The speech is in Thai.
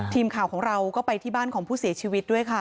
ทีมข่าวของเราก็ไปที่บ้านของผู้เสียชีวิตด้วยค่ะ